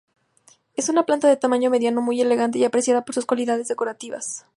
Es una planta de tamaño mediano muy elegante y apreciada por sus cualidades decorativas.